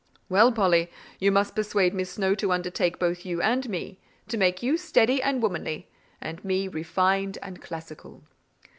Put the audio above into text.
"Well, Polly, you must persuade Miss Snowe to undertake both you and me; to make you steady and womanly, and me refined and classical."